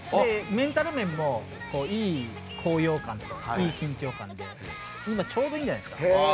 メンタル面もいい高揚感といい緊張感で今、ちょうどいいんじゃないですか。